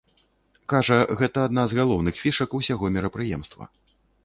Кажа, гэта адна з галоўных фішак усяго мерапрыемства.